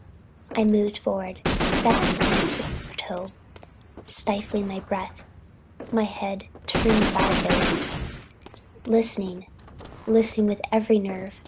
I moved forward, stepping on tiptoe, stifling my breath, my head turned sideways, listening, listening with every nerve.